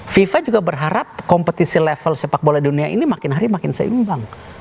fifa juga berharap kompetisi level sepak bola dunia ini makin hari makin seimbang